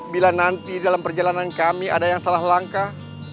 bila nanti dalam perjalanan kami ada yang salah langkah